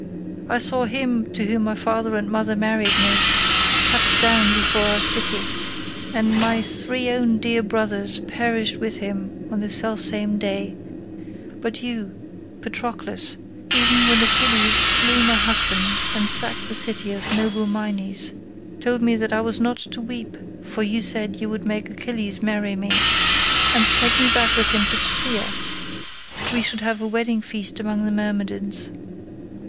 I saw him to whom my father and mother married me, cut down before our city, and my three own dear brothers perished with him on the self same day; but you, Patroclus, even when Achilles slew my husband and sacked the city of noble Mynes, told me that I was not to weep, for you said you would make Achilles marry me, and take me back with him to Phthia, we should have a wedding feast among the Myrmidons.